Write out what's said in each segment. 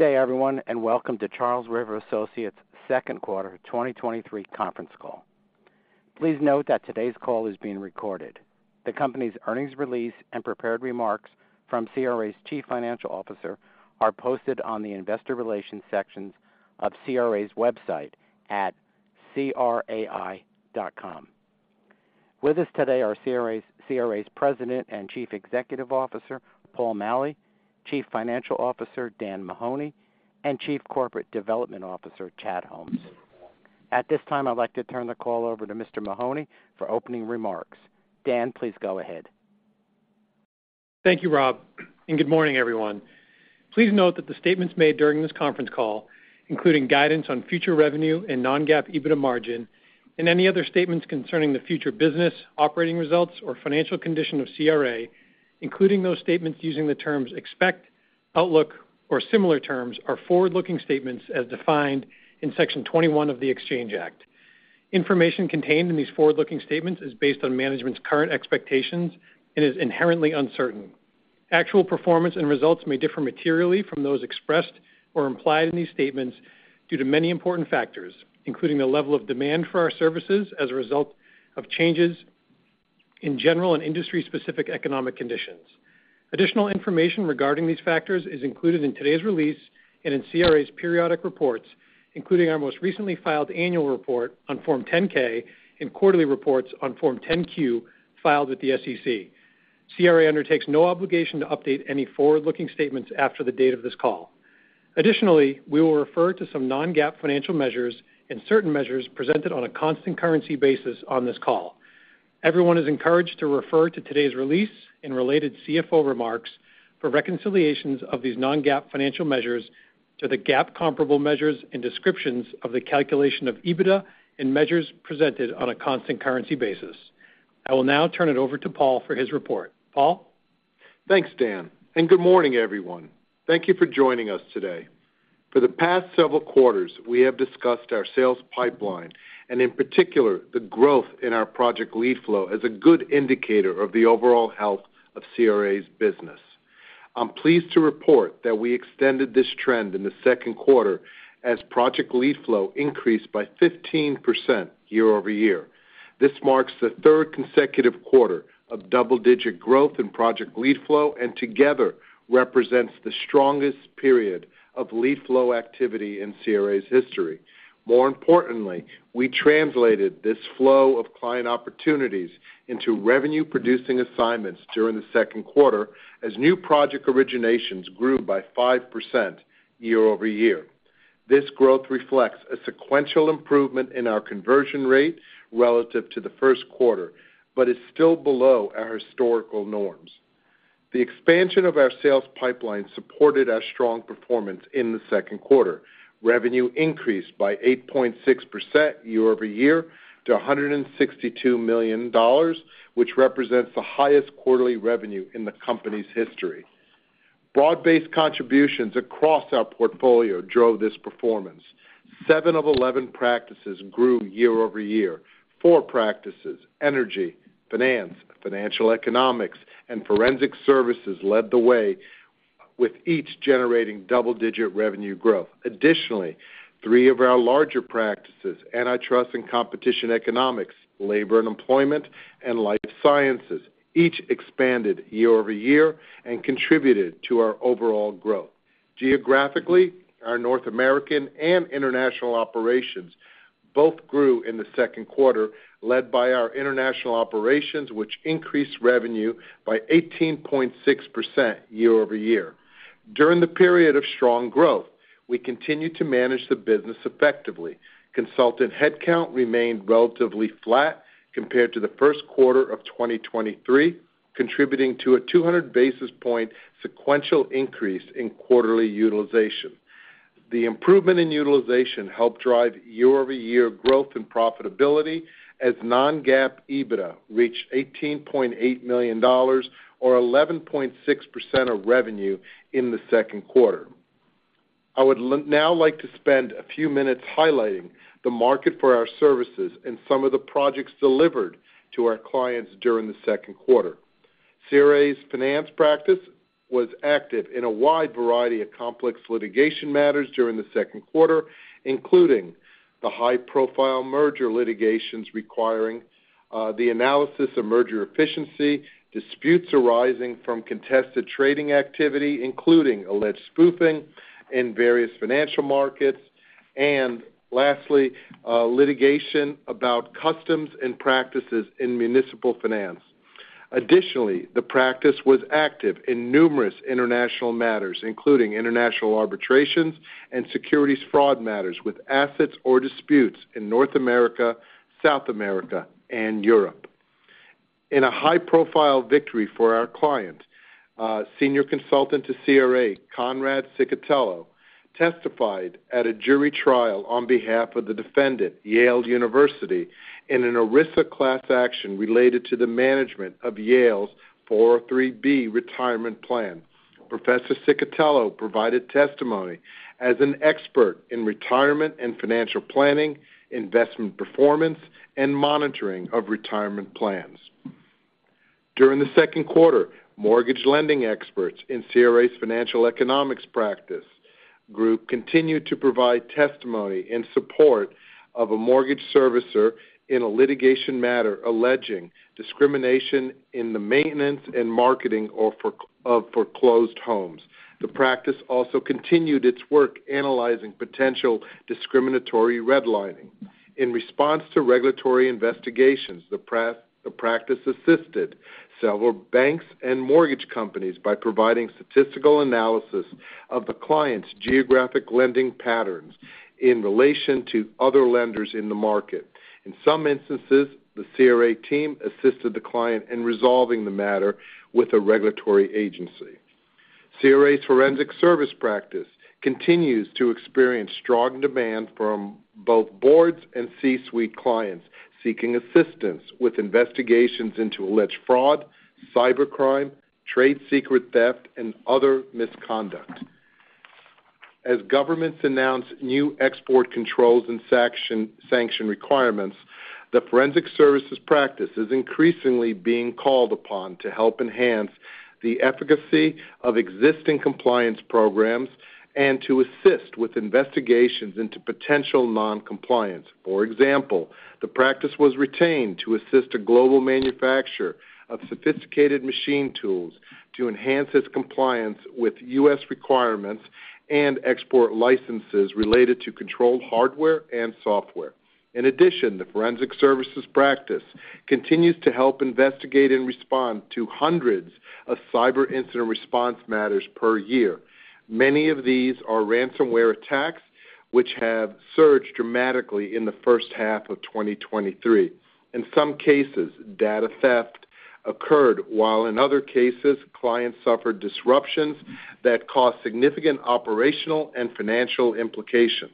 Good day, everyone, and welcome to Charles River Associates' second quarter 2023 conference call. Please note that today's call is being recorded. The company's earnings release and prepared remarks from CRA's Chief Financial Officer are posted on the investor relations sections of CRA's website at crai.com. With us today are CRA's President and Chief Executive Officer, Paul Maleh, Chief Financial Officer, Dan Mahoney, and Chief Corporate Development Officer, Chad Holmes. At this time, I'd like to turn the call over to Mr. Mahoney for opening remarks. Dan, please go ahead. Thank you, Rob, and good morning, everyone. Please note that the statements made during this conference call, including guidance on future revenue and non-GAAP EBITDA margin, and any other statements concerning the future business, operating results, or financial condition of CRA, including those statements using the terms expect, outlook, or similar terms, are forward-looking statements as defined in Section 21E of the Exchange Act. Information contained in these forward-looking statements is based on management's current expectations and is inherently uncertain. Actual performance and results may differ materially from those expressed or implied in these statements due to many important factors, including the level of demand for our services as a result of changes in general and industry-specific economic conditions. Additional information regarding these factors is included in today's release and in CRA's periodic reports, including our most recently filed annual report on Form 10-K and quarterly reports on Form 10-Q, filed with the SEC. CRA undertakes no obligation to update any forward-looking statements after the date of this call. Additionally, we will refer to some non-GAAP financial measures and certain measures presented on a constant currency basis on this call. Everyone is encouraged to refer to today's release and related CFO remarks for reconciliations of these non-GAAP financial measures to the GAAP comparable measures and descriptions of the calculation of EBITDA and measures presented on a constant currency basis. I will now turn it over to Paul for his report. Paul? Thanks, Dan, and good morning, everyone. Thank you for joining us today. For the past several quarters, we have discussed our sales pipeline, and in particular, the growth in our project lead flow as a good indicator of the overall health of CRA's business. I'm pleased to report that we extended this trend in the second quarter as project lead flow increased by 15% year-over-year. This marks the third consecutive quarter of double-digit growth in project lead flow, and together represents the strongest period of lead flow activity in CRA's history. More importantly, we translated this flow of client opportunities into revenue-producing assignments during the second quarter as new project originations grew by 5% year-over-year. This growth reflects a sequential improvement in our conversion rate relative to the first quarter, but is still below our historical norms. The expansion of our sales pipeline supported our strong performance in the second quarter. Revenue increased by 8.6% year-over-year to $162 million, which represents the highest quarterly revenue in the company's history. Broad-based contributions across our portfolio drove this performance. Seven of 11 practices grew year-over-year. Four practices, Energy, Finance, Financial Economics, and Forensic Services, led the way, with each generating double-digit revenue growth. Additionally, three of our larger practices, Antitrust & Competition Economics, Labor & Employment, and Life Sciences, each expanded year-over-year and contributed to our overall growth. Geographically, our North American and international operations both grew in the second quarter, led by our international operations, which increased revenue by 18.6% year-over-year. During the period of strong growth, we continued to manage the business effectively. Consultant headcount remained relatively flat compared to the first quarter of 2023, contributing to a 200 basis points sequential increase in quarterly utilization. The improvement in utilization helped drive year-over-year growth and profitability as non-GAAP EBITDA reached $18.8 million or 11.6% of revenue in the second quarter. I would now like to spend a few minutes highlighting the market for our services and some of the projects delivered to our clients during the second quarter. CRA's Finance practice was active in a wide variety of complex litigation matters during the second quarter, including the high-profile merger litigations requiring the analysis of merger efficiency, disputes arising from contested trading activity, including alleged spoofing in various financial markets, and lastly, litigation about customs and practices in municipal finance. The practice was active in numerous international matters, including international arbitrations and securities fraud matters with assets or disputes in North America, South America, and Europe. In a high-profile victory for our client, senior consultant to CRA, Conrad Ciccotello, testified at a jury trial on behalf of the defendant, Yale University, in an ERISA class action related to the management of Yale's 403(b) retirement plan. Professor Ciccotello provided testimony as an expert in retirement and financial planning, investment performance, and monitoring of retirement plans. During the second quarter, mortgage lending experts in CRA's Financial Economics Practice Group continued to provide testimony in support of a mortgage servicer in a litigation matter alleging discrimination in the maintenance and marketing of foreclosed homes. The practice also continued its work analyzing potential discriminatory redlining. In response to regulatory investigations, the practice assisted several banks and mortgage companies by providing statistical analysis of the client's geographic lending patterns in relation to other lenders in the market. In some instances, the CRA team assisted the client in resolving the matter with a regulatory agency. CRA's Forensic Services Practice continues to experience strong demand from both boards and C-suite clients seeking assistance with investigations into alleged fraud, cybercrime, trade secret theft, and other misconduct. As governments announce new export controls and sanction requirements, the Forensic Services Practice is increasingly being called upon to help enhance the efficacy of existing compliance programs and to assist with investigations into potential noncompliance. For example, the practice was retained to assist a global manufacturer of sophisticated machine tools to enhance its compliance with U.S. requirements and export licenses related to controlled hardware and software. The Forensic Services Practice continues to help investigate and respond to hundreds of cyber incident response matters per year. Many of these are ransomware attacks, which have surged dramatically in the first half of 2023. In some cases, data theft occurred, while in other cases, clients suffered disruptions that caused significant operational and financial implications.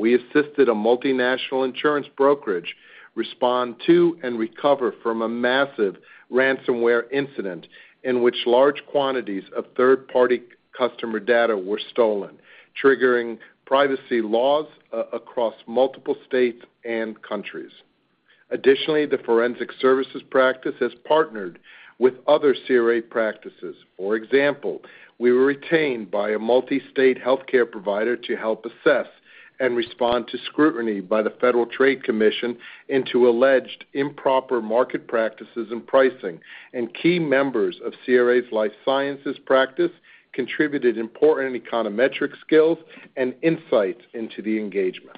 We assisted a multinational insurance brokerage respond to and recover from a massive ransomware incident in which large quantities of third-party customer data were stolen, triggering privacy laws across multiple states and countries. The Forensic Services Practice has partnered with other CRA practices. For example, we were retained by a multi-state healthcare provider to help assess and respond to scrutiny by the Federal Trade Commission into alleged improper market practices and pricing, and key members of CRA's Life Sciences Practice contributed important econometric skills and insights into the engagement.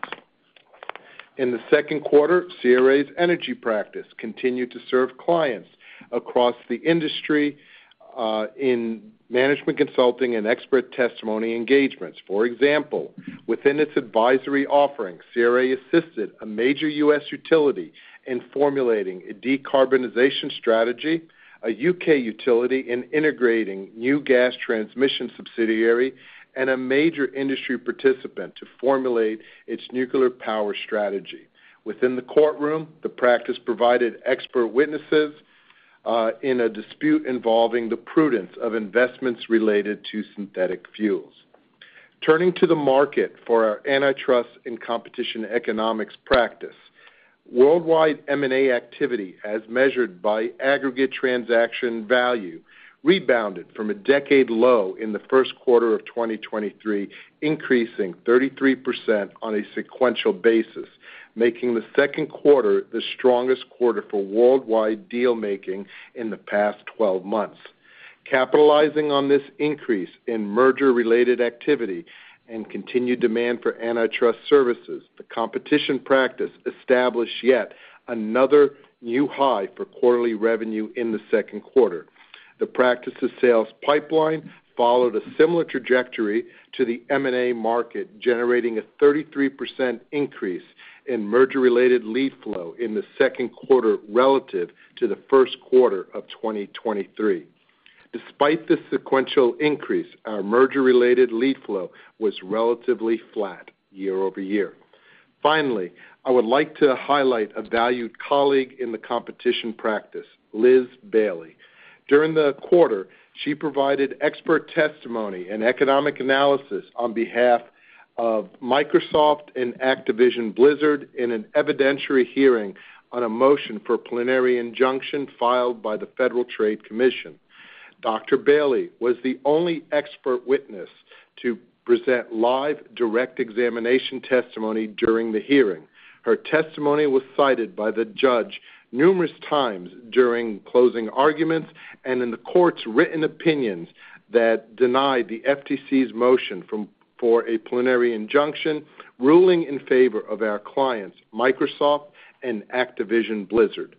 In the second quarter, CRA's Energy Practice continued to serve clients across the industry, in management consulting and expert testimony engagements. For example, within its advisory offering, CRA assisted a major US utility in formulating a decarbonization strategy, a UK utility in integrating new gas transmission subsidiary, and a major industry participant to formulate its nuclear power strategy. Within the courtroom, the Practice provided expert witnesses, in a dispute involving the prudence of investments related to synthetic fuels. Turning to the market for our Antitrust & Competition Economics practice, worldwide M&A activity, as measured by aggregate transaction value, rebounded from a decade low in the first quarter of 2023, increasing 33% on a sequential basis, making the second quarter the strongest quarter for worldwide deal-making in the past 12 months. Capitalizing on this increase in merger-related activity and continued demand for antitrust services, the competition practice established yet another new high for quarterly revenue in the second quarter. The practice's sales pipeline followed a similar trajectory to the M&A market, generating a 33% increase in merger-related lead flow in the second quarter relative to the first quarter of 2023. Despite this sequential increase, our merger-related lead flow was relatively flat year-over-year. Finally, I would like to highlight a valued colleague in the competition practice, Liz Bailey. During the quarter, she provided expert testimony and economic analysis on behalf of Microsoft and Activision Blizzard in an evidentiary hearing on a motion for preliminary injunction filed by the Federal Trade Commission. Dr. Bailey was the only expert witness to present live direct examination testimony during the hearing. Her testimony was cited by the judge numerous times during closing arguments and in the court's written opinions that denied the FTC's motion for a preliminary injunction, ruling in favor of our clients, Microsoft and Activision Blizzard.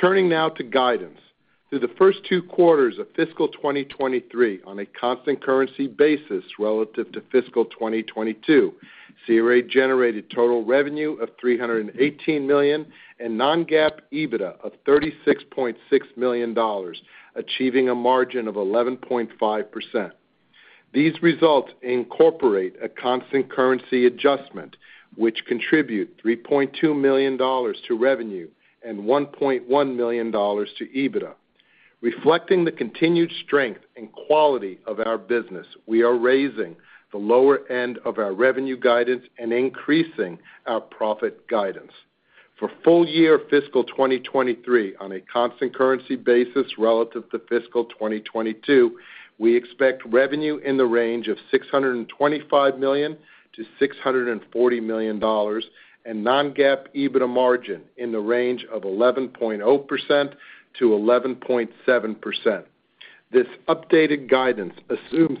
Turning now to guidance. Through the first 2 quarters of fiscal 2023, on a constant currency basis relative to fiscal 2022, CRA generated total revenue of $318 million and non-GAAP EBITDA of $36.6 million, achieving a margin of 11.5%. These results incorporate a constant currency adjustment, which contribute $3.2 million to revenue and $1.1 million to EBITDA. Reflecting the continued strength and quality of our business, we are raising the lower end of our revenue guidance and increasing our profit guidance. For full year fiscal 2023, on a constant currency basis relative to fiscal 2022, we expect revenue in the range of $625 million-$640 million, and non-GAAP EBITDA margin in the range of 11.0%-11.7%. This updated guidance assumes,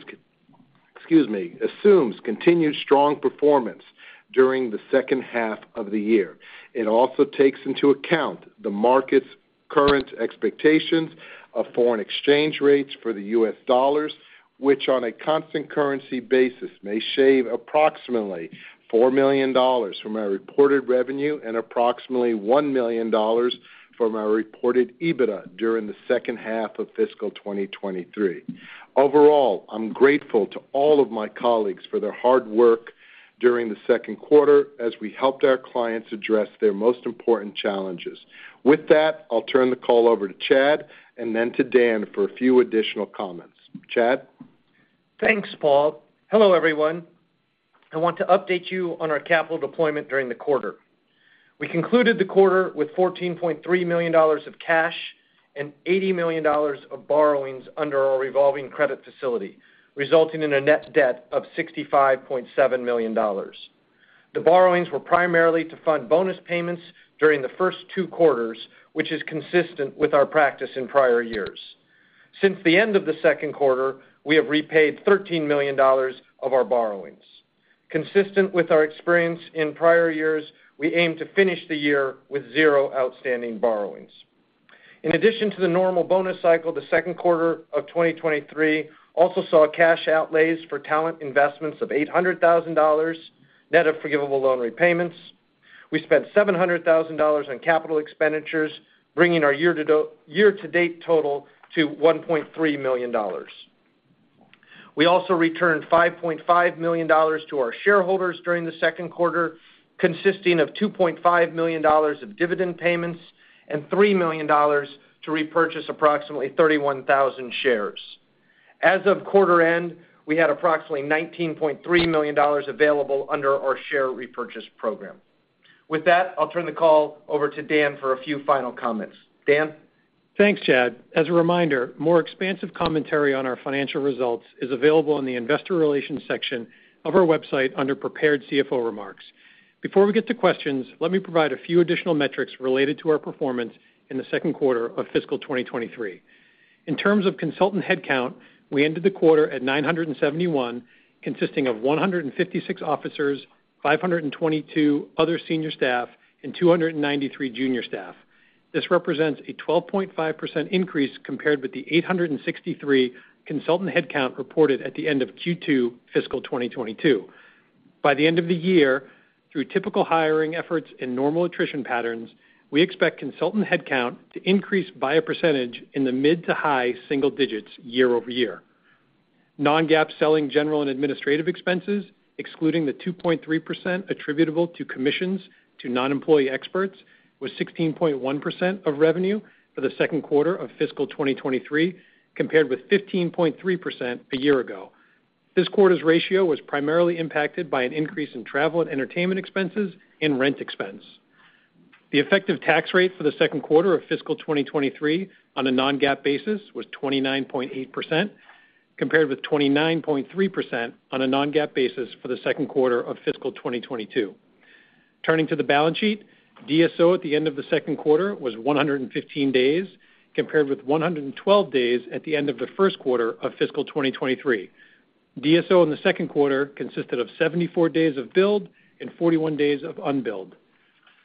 excuse me, assumes continued strong performance during the second half of the year. It also takes into account the market's current expectations of foreign exchange rates for the US dollar, which on a constant currency basis, may shave approximately $4 million from our reported revenue and approximately $1 million from our reported EBITDA during the second half of fiscal 2023. Overall, I'm grateful to all of my colleagues for their hard work during the second quarter as we helped our clients address their most important challenges. With that, I'll turn the call over to Chad and then to Dan for a few additional comments. Chad? Thanks, Paul. Hello, everyone. I want to update you on our capital deployment during the quarter. We concluded the quarter with $14.3 million of cash and $80 million of borrowings under our revolving credit facility, resulting in a net debt of $65.7 million. The borrowings were primarily to fund bonus payments during the first two quarters, which is consistent with our practice in prior years. Since the end of the second quarter, we have repaid $13 million of our borrowings. Consistent with our experience in prior years, we aim to finish the year with zero outstanding borrowings. In addition to the normal bonus cycle, the second quarter of 2023 also saw cash outlays for talent investments of $800,000, net of forgivable loan repayments. We spent $700,000 on capital expenditures, bringing our year-to-date total to $1.3 million. We also returned $5.5 million to our shareholders during the second quarter, consisting of $2.5 million of dividend payments and $3 million to repurchase approximately 31,000 shares. As of quarter end, we had approximately $19.3 million available under our share repurchase program. With that, I'll turn the call over to Dan for a few final comments. Dan? Thanks, Chad. As a reminder, more expansive commentary on our financial results is available in the investor relations section of our website under Prepared CFO Remarks. Before we get to questions, let me provide a few additional metrics related to our performance in the second quarter of fiscal 2023. In terms of consultant headcount, we ended the quarter at 971, consisting of 156 officers, 522 other senior staff, and 293 junior staff. This represents a 12.5% increase compared with the 863 consultant headcount reported at the end of Q2, fiscal 2022. By the end of the year, through typical hiring efforts and normal attrition patterns, we expect consultant headcount to increase by a percentage in the mid to high single digits year-over-year. Non-GAAP selling general and administrative expenses, excluding the 2.3% attributable to commissions to non-employee experts, was 16.1% of revenue for the second quarter of fiscal 2023, compared with 15.3% a year ago. This quarter's ratio was primarily impacted by an increase in travel and entertainment expenses and rent expense. The effective tax rate for the second quarter of fiscal 2023 on a non-GAAP basis was 29.8%, compared with 29.3% on a non-GAAP basis for the second quarter of fiscal 2022. Turning to the balance sheet, DSO at the end of the second quarter was 115 days, compared with 112 days at the end of the first quarter of fiscal 2023. DSO in the second quarter consisted of 74 days of build and 41 days of unbilled.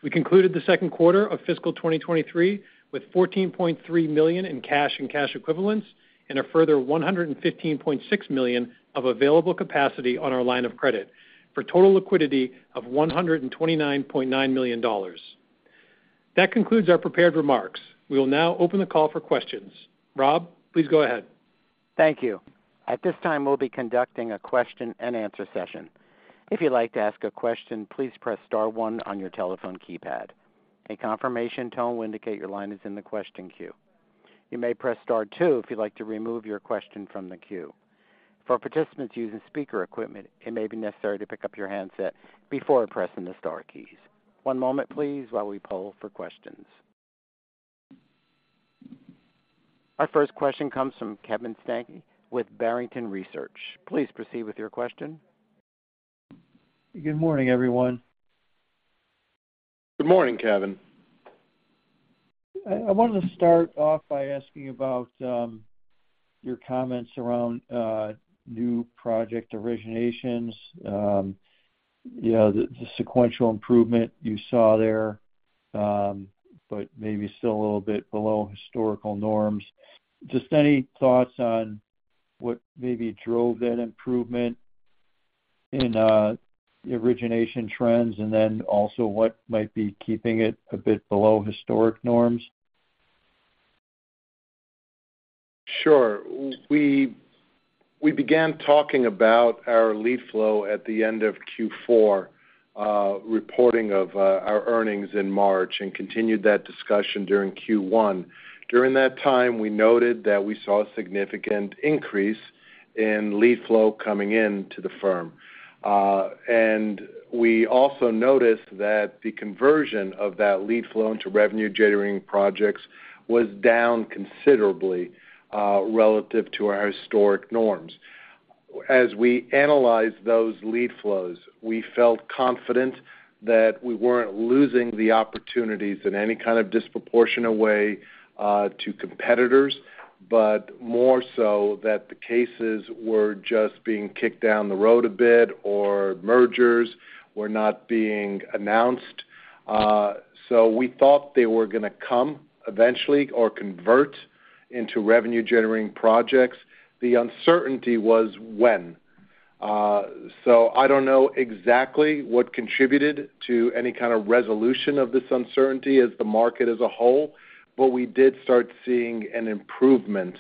We concluded the second quarter of fiscal 2023 with $14.3 million in cash and cash equivalents, and a further $115.6 million of available capacity on our line of credit, for total liquidity of $129.9 million. That concludes our prepared remarks. We will now open the call for questions. Rob, please go ahead. Thank you. At this time, we'll be conducting a question and answer session. If you'd like to ask a question, please press star one on your telephone keypad. A confirmation tone will indicate your line is in the question queue. You may press star two if you'd like to remove your question from the queue. For participants using speaker equipment, it may be necessary to pick up your handset before pressing the star keys. One moment please, while we poll for questions. Our first question comes from Kevin Steinke with Barrington Research. Please proceed with your question. Good morning, everyone. Good morning, Kevin. I, I wanted to start off by asking about your comments around new project originations. You know, the, the sequential improvement you saw there, but maybe still a little bit below historical norms. Just any thoughts on what maybe drove that improvement in the origination trends, and then also what might be keeping it a bit below historic norms? Sure. We began talking about our lead flow at the end of Q4, reporting of our earnings in March and continued that discussion during Q1. During that time, we noted that we saw a significant increase in lead flow coming into the firm. We also noticed that the conversion of that lead flow into revenue-generating projects was down considerably relative to our historic norms. As we analyzed those lead flows, we felt confident that we weren't losing the opportunities in any kind of disproportionate way to competitors, but more so that the cases were just being kicked down the road a bit, or mergers were not being announced. We thought they were gonna come eventually or convert into revenue-generating projects. The uncertainty was when. I don't know exactly what contributed to any kind of resolution of this uncertainty as the market as a whole, but we did start seeing an improvement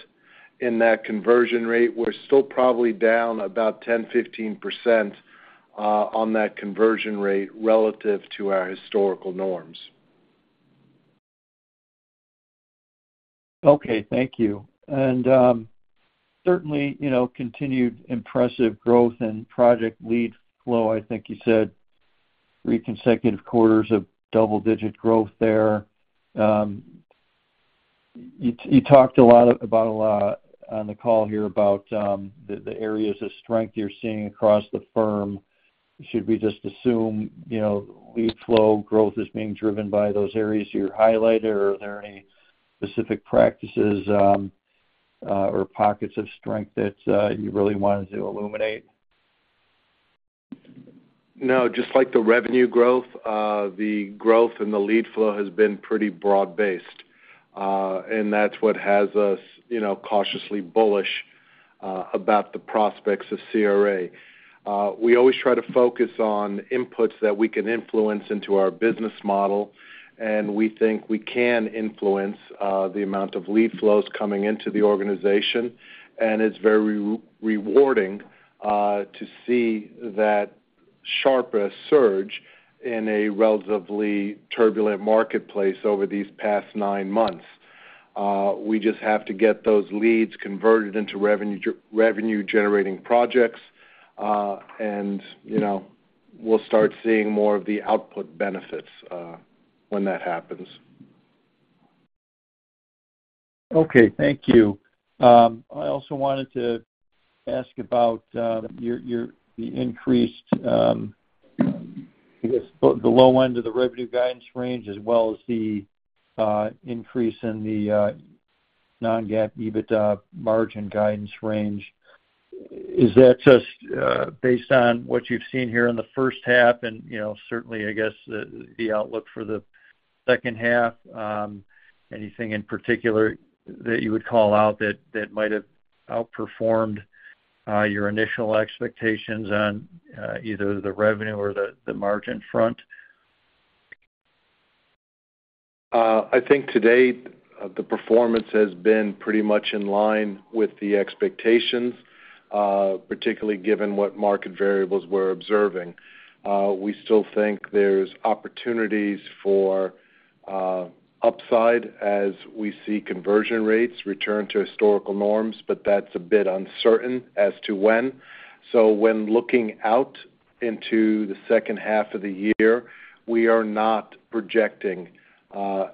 in that conversion rate. We're still probably down about 10%-15% on that conversion rate relative to our historical norms. Okay, thank you. Certainly, you know, continued impressive growth in project lead flow. I think you said 3 consecutive quarters of double-digit growth there. You, you talked a lot about, on the call here about, the, the areas of strength you're seeing across the firm. Should we just assume, you know, lead flow growth is being driven by those areas you highlighted, or are there any specific practices, or pockets of strength that, you really wanted to illuminate? No, just like the revenue growth, the growth in the lead flow has been pretty broad-based. That's what has us, you know, cautiously bullish about the prospects of CRA. We always try to focus on inputs that we can influence into our business model, and we think we can influence the amount of lead flows coming into the organization. It's very rewarding to see that sharper surge in a relatively turbulent marketplace over these past nine months. We just have to get those leads converted into revenue-generating projects. You know, we'll start seeing more of the output benefits when that happens. Okay, thank you. I also wanted to ask about your the increased, I guess, the low end of the revenue guidance range, as well as the increase in the non-GAAP EBITDA margin guidance range. Is that just based on what you've seen here in the first half? You know, certainly, I guess, the outlook for the second half. Anything in particular that you would call out that, that might have outperformed your initial expectations on either the revenue or the margin front? I think to date, the performance has been pretty much in line with the expectations, particularly given what market variables we're observing. We still think there's opportunities for upside as we see conversion rates return to historical norms, but that's a bit uncertain as to when. When looking out into the second half of the year, we are not projecting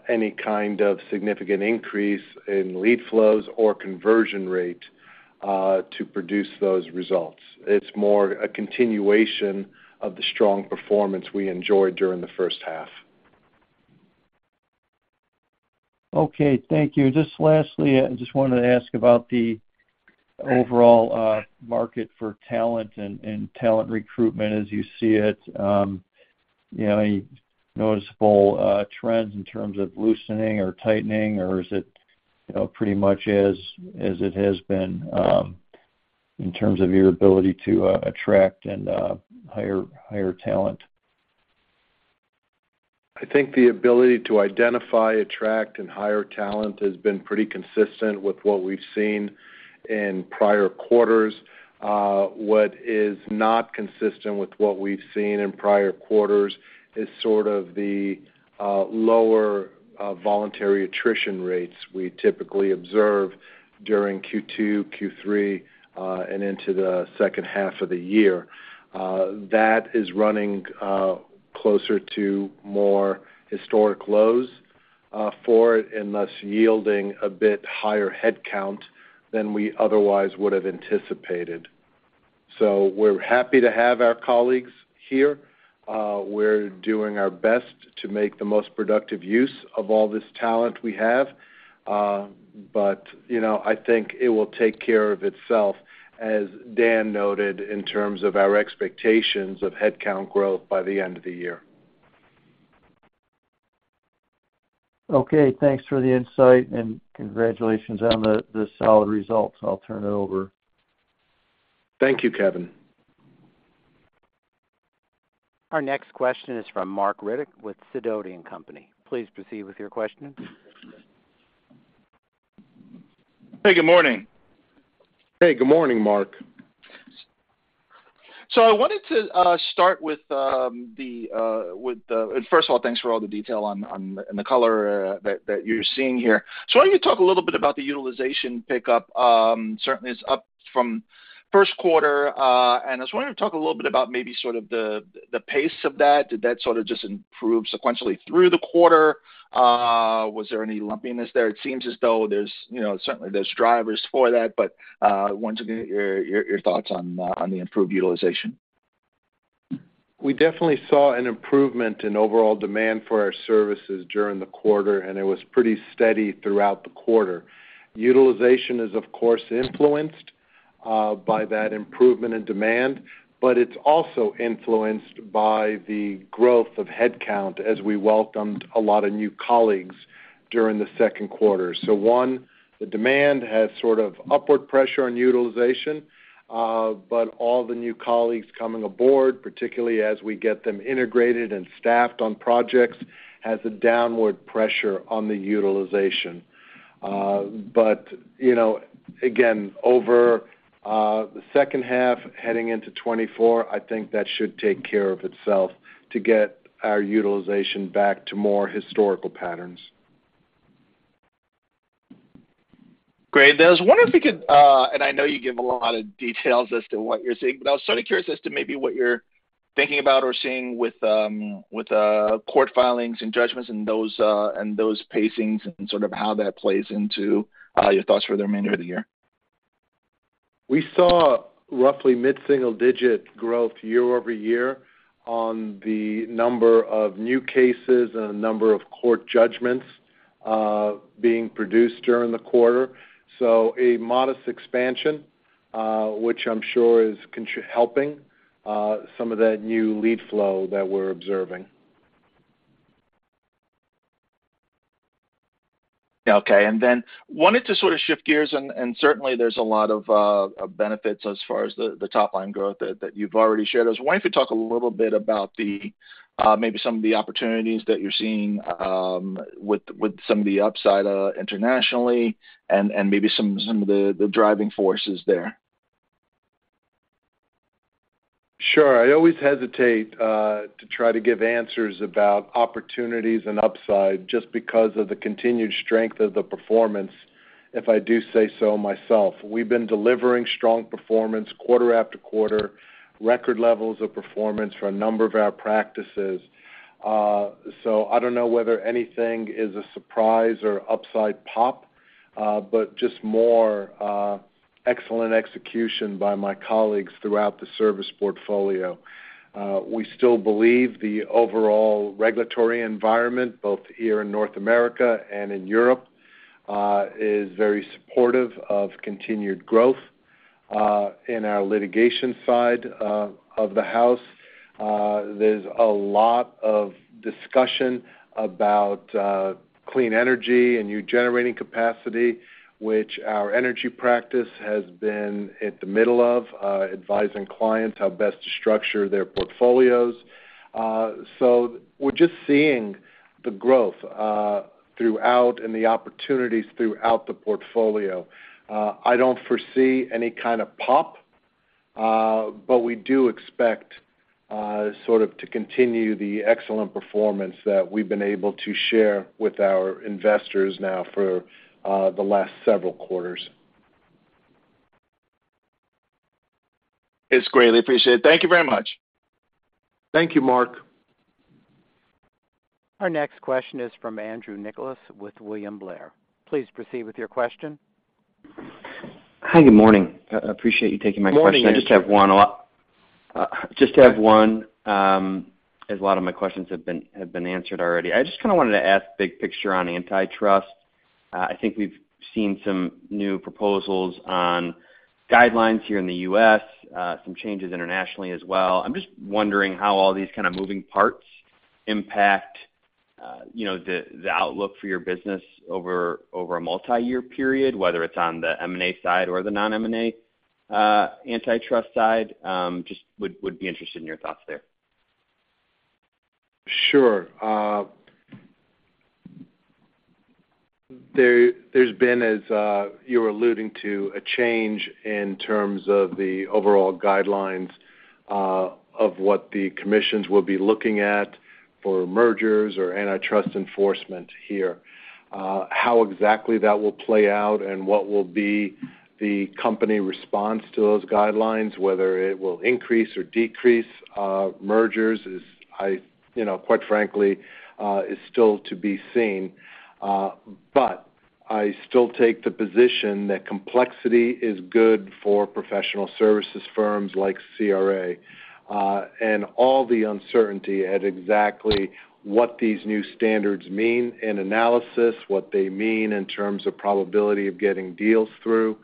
any kind of significant increase in lead flows or conversion rate to produce those results. It's more a continuation of the strong performance we enjoyed during the first half. Okay, thank you. Just lastly, I just wanted to ask about the overall market for talent and talent recruitment as you see it. You know, any noticeable trends in terms of loosening or tightening, or is it, you know, pretty much as it has been, in terms of your ability to attract and hire, hire talent? I think the ability to identify, attract, and hire talent has been pretty consistent with what we've seen in prior quarters. What is not consistent with what we've seen in prior quarters is sort of the lower voluntary attrition rates we typically observe during Q2, Q3, and into the second half of the year. That is running closer to more historic lows for it, and thus yielding a bit higher headcount than we otherwise would have anticipated. We're happy to have our colleagues here. We're doing our best to make the most productive use of all this talent we have. You know, I think it will take care of itself, as Dan noted, in terms of our expectations of headcount growth by the end of the year. Okay, thanks for the insight. Congratulations on the, the solid results. I'll turn it over. Thank you, Kevin. Our next question is from Marc Riddick with Sidoti & Company. Please proceed with your question. Hey, good morning. Hey, good morning, Marc. I wanted to start with the first of all, thanks for all the detail on, on and the color that, that you're seeing here. I want you to talk a little bit about the utilization pickup. Certainly, it's up from first quarter, and I just wanted to talk a little bit about maybe sort of the, the pace of that. Did that sort of just improve sequentially through the quarter? Was there any lumpiness there? It seems as though there's, you know, certainly there's drivers for that, but wanted to get your, your, your thoughts on the improved utilization. We definitely saw an improvement in overall demand for our services during the quarter. It was pretty steady throughout the quarter. Utilization is, of course, influenced by that improvement in demand, but it's also influenced by the growth of headcount as we welcomed a lot of new colleagues during the second quarter. One, the demand has sort of upward pressure on utilization, but all the new colleagues coming aboard, particularly as we get them integrated and staffed on projects, has a downward pressure on the utilization. You know, again, over the second half, heading into 2024, I think that should take care of itself to get our utilization back to more historical patterns. Great. I was wondering if you could, and I know you give a lot of details as to what you're seeing, but I was sort of curious as to maybe what you're thinking about or seeing with, with, court filings and judgments and those, and those pacings and sort of how that plays into, your thoughts for the remainder of the year? We saw roughly mid-single-digit growth year-over-year on the number of new cases and the number of court judgments being produced during the quarter. A modest expansion, which I'm sure is helping some of that new lead flow that we're observing. Okay, and then wanted to sort of shift gears, and, and certainly there's a lot of, benefits as far as the, the top-line growth that, that you've already shared with us. I was wondering if you talk a little bit about the, maybe some of the opportunities that you're seeing, with, with some of the upside, internationally and, and maybe some, some of the, the driving forces there. Sure. I always hesitate to try to give answers about opportunities and upside just because of the continued strength of the performance, if I do say so myself. We've been delivering strong performance quarter after quarter, record levels of performance for a number of our practices. So I don't know whether anything is a surprise or upside pop, but just more excellent execution by my colleagues throughout the service portfolio. We still believe the overall regulatory environment, both here in North America and in Europe, is very supportive of continued growth in our litigation side of, of the house. There's a lot of discussion about clean energy and new generating capacity, which our Energy Practice has been at the middle of advising clients how best to structure their portfolios. We're just seeing the growth throughout and the opportunities throughout the portfolio. I don't foresee any kind of pop. We do expect sort of to continue the excellent performance that we've been able to share with our investors now for the last several quarters. It's greatly appreciated. Thank you very much. Thank you, Marc. Our next question is from Andrew Nicholas with William Blair. Please proceed with your question. Hi, good morning. I appreciate you taking my question. Good morning, Andrew. just have one, as a lot of my questions have been, have been answered already. I just kinda wanted to ask big picture on antitrust. I think we've seen some new proposals on guidelines here in the U.S., some changes internationally as well. I'm just wondering how all these kind of moving parts impact, you know, the, the outlook for your business over, over a multi-year period, whether it's on the M&A side or the non-M&A, antitrust side? just would, would be interested in your thoughts there. Sure. There, there's been, as you're alluding to, a change in terms of the overall guidelines of what the commissions will be looking at for mergers or antitrust enforcement here. How exactly that will play out and what will be the company response to those guidelines, whether it will increase or decrease mergers, you know, quite frankly, is still to be seen. I still take the position that complexity is good for professional services firms like CRA, and all the uncertainty at exactly what these new standards mean in analysis, what they mean in terms of probability of getting deals through,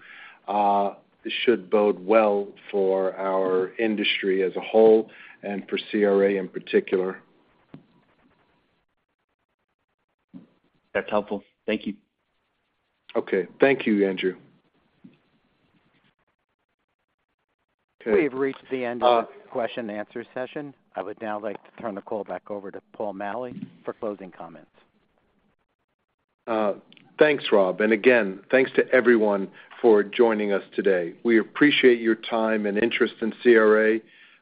should bode well for our industry as a whole and for CRA in particular. That's helpful. Thank you. Okay. Thank you, Andrew. We have reached the end of the question and answer session. I would now like to turn the call back over to Paul Maleh for closing comments. Thanks, Rob, and again, thanks to everyone for joining us today. We appreciate your time and interest in CRA.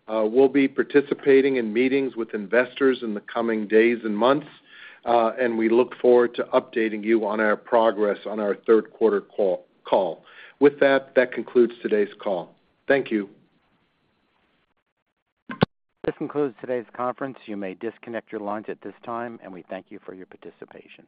We'll be participating in meetings with investors in the coming days and months, and we look forward to updating you on our progress on our third quarter call. With that, that concludes today's call. Thank you. This concludes today's conference. You may disconnect your lines at this time, and we thank you for your participation.